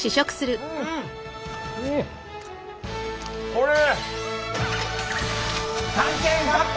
これ！